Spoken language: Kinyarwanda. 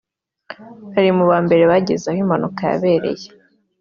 ari mu ba mbere bageze aho impanuka yabereye